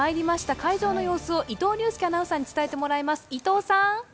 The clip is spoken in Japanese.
会場の様子を伊藤隆佑アナウンサーに伝えてもらいます。